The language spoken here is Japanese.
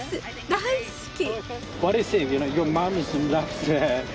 大好き。